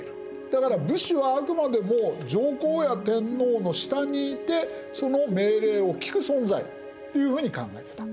だから武士はあくまでも上皇や天皇の下にいてその命令を聞く存在というふうに考えてた。